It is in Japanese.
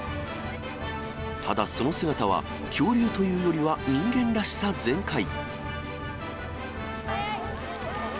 ただ、その姿は、恐竜というよりは、人間らしさ全開。